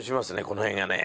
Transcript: この辺がね。